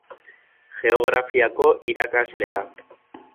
Geografiako irakaslea